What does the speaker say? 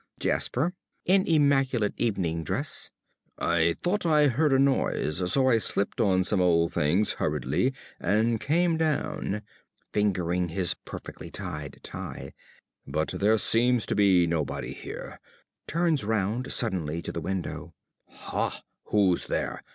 _) ~Jasper~ (in immaculate evening dress). I thought I heard a noise, so I slipped on some old things hurriedly and came down. (Fingering his perfectly tied tie.) But there seems to be nobody here. (Turns round suddenly to the window.) Ha, who's there?